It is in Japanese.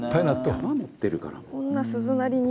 「山持ってるから」